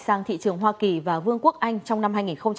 sang thị trường hoa kỳ và vương quốc anh trong năm hai nghìn một mươi chín